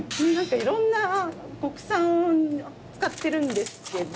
いろんな国産使ってるんですけど。